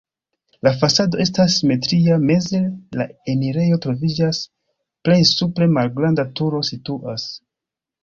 La fasado estas simetria, meze la enirejo troviĝas, plej supre malgranda turo situas.